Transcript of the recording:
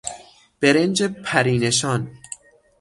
برنج پری نشان